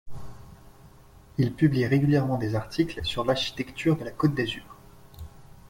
Il publie régulièrement des articles sur l’architecture de la Côte d'Azur.